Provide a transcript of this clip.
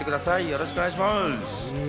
よろしくお願いします！